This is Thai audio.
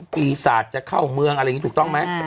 ปีศาจจะเข้าเมืองอะไรอย่างนี้ถูกต้องไหม